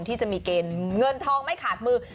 ที่จะมีเกณฑ์เงินทองไม่ขาดมือ